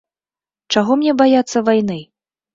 Чаго мне баяцца вайны?